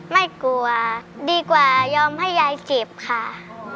ไม่กลัวดีกว่ายอมให้ยายเจ็บค่ะ